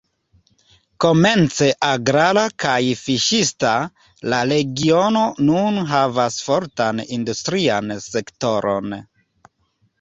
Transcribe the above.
Komence agrara kaj fiŝista, la regiono nun havas fortan industrian sektoron.